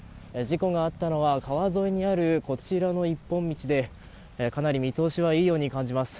事故があったのは川沿いにあるこちらの一本道でかなり見通しはいいように感じます。